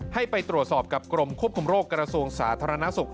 ให้ไปตรวจสอบกับกรมควบคุมโรคกระทรวงสาธารณสุข